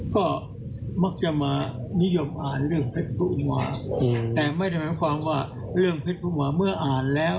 ก็มักจะมานิยมอ่านเรื่องเพชรปุมาแต่ไม่ได้หมายความว่าเรื่องเพชรปุมาเมื่ออ่านแล้ว